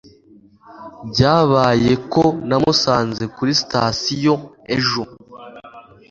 Byabaye ko namusanze kuri sitasiyo ejo.